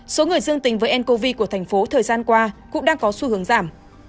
số người dương tính với ncov của thành phố thời gian qua cũng đang có xu hướng giảm